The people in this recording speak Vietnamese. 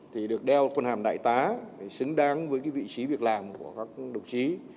thì được đeo quân hàm đại tá xứng đáng với cái vị trí việc làm của các đồng chí